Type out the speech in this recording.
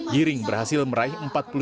giring berhasil meraih